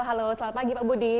halo selamat pagi pak budi